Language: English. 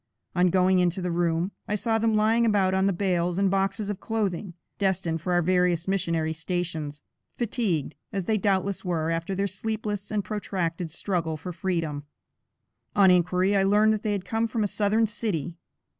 On going into the room, I saw them lying about on the bales and boxes of clothing destined for our various missionary stations, fatigued, as they doubtless were, after their sleepless and protracted struggle for freedom. On inquiry, I learned that they had come from a southern city.